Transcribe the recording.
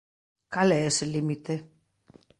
Cal é ese límite?